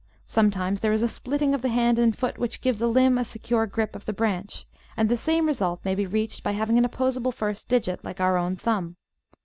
Sometimes there is a splitting of the hand and foot which gives the limb a secure grip of the branch, and the same result may be reached by having an opposable first digit, like our own thumb.